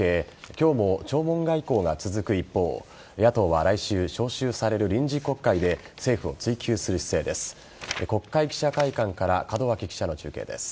今日も弔問外交が続く一方野党は来週召集される臨時国会で政府を追及する姿勢です。